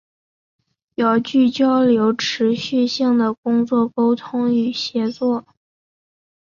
遥距交流持续性的工作沟通与协作